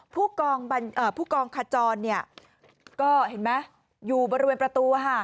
พู่กองก็เห็นไหมอยู่บริเวณปะตู